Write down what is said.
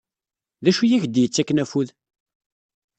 D acu i ak-d-yettakken afud?